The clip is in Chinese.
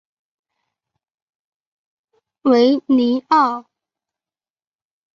维尼奥。